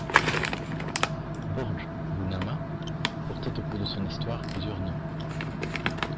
Bordj Bounaama portait au cours de son histoire plusieurs noms.